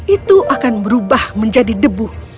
itu akan berubah menjadi debu